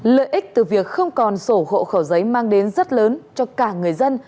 lợi ích từ việc không còn sổ hộ khẩu giấy mang đến rất lớn cho cả người dân